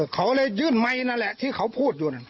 เขาเลยยื่นไมค์นั่นแหละที่เขาพูดอยู่